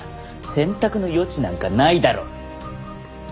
選択の余地なんかないだろ！